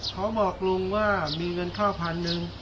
เขาบอกลุงว่ามีเงินเข้าพันหนึ่ง